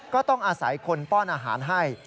ก็ต้องอาศัยคนป้อนอาหารให้